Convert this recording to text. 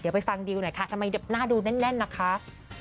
เดี๋ยวไปฟังดิวหน่อยค่ะทำไมหน้าดูแน่นนะคะ